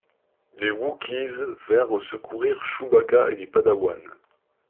Les Wookiees vinrent secourir Chewbacca et les padawans.